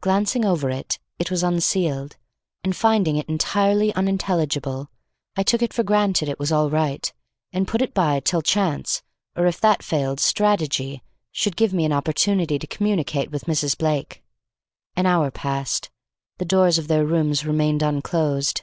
Glancing over it it was unsealed and finding it entirely unintelligible, I took it for granted it was all right and put it by till chance, or if that failed, strategy, should give me an opportunity to communicate with Mrs. Blake. An hour passed; the doors of their rooms remained unclosed.